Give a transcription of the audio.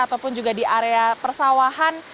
ataupun juga di area persawahan